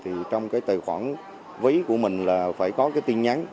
thì trong cái tài khoản ví của mình là phải có cái tin nhắn